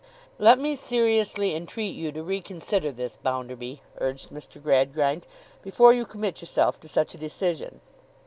'Let me seriously entreat you to reconsider this, Bounderby,' urged Mr. Gradgrind, 'before you commit yourself to such a decision.